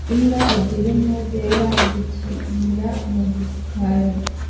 Imbwa ebyiri nto zera zikinira mu gikari